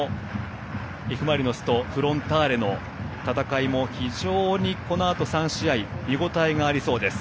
Ｆ・マリノスとフロンターレの戦いも非常にこのあと３試合見応えがありそうです。